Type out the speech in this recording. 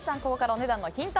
お値段のヒント